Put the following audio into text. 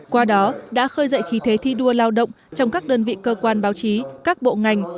qua đó đã khơi dậy khí thế thi đua lao động trong các đơn vị cơ quan báo chí các bộ ngành